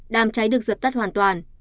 đám cháy được dập tắt hoàn toàn